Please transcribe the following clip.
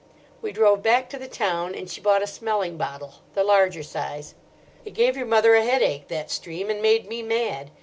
We drove back to the town, and she bought a smelling bottle, the larger size. "It gave your mother a headache, that stream, and made me mad.